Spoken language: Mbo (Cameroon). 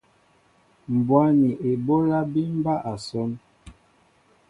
Mbwá ni eɓólá bí mɓá asón.